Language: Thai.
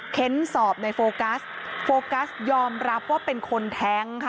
เค้นสอบในโฟกัสโฟกัสยอมรับว่าเป็นคนแท้งค่ะ